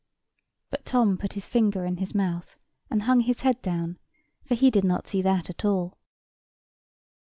But Tom put his finger in his mouth, and hung his head down; for he did not see that at all.